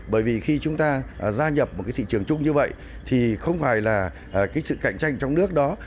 bởi vì khi chúng ta gia nhập một cái thị trường chung như vậy thì không phải là cái sự cạnh tranh trong nước đó